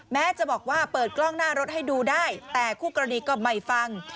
แม้จะบอกว่าเปิดกล้องหน้ารถให้ดูได้แต่คู่กรณีก็ไม่ฟัง